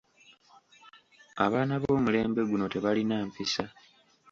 Abaana b'omulembe guno tebalina mpisa.